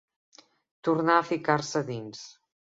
Tornà a ficar-se a dins.